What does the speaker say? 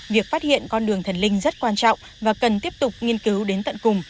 việc phát hiện con đường thần linh rất quan trọng và cần tiếp tục nghiên cứu đến tận cùng